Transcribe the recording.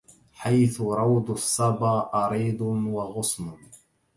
حيث روض الصبا أريض وغصن